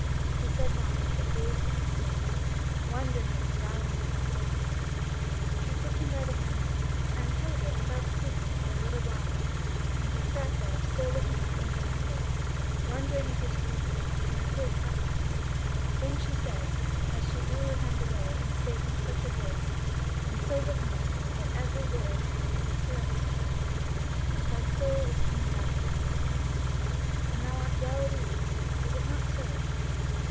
He said nought, but gazed at her face, wondering at her valiancy and goodness. She took him by the hand now, and held it without speaking for a little while, and he sat there still looking up into her face, wondering at her sweetness and his happiness. Then she said, as she drew her hand away and spake in such a voice, and so looking at him, that every word was as a caress to him: "Thy soul is coming back to thee, my friend, and thou art well at ease: is it not so?"